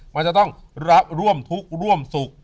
มันจะต้องรับร่วมทุกข์ร่วมสุข